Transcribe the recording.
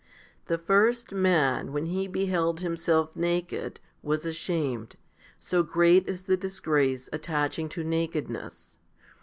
2. The first man when he beheld himself naked was ashamed, so great is the disgrace attaching to nakedness.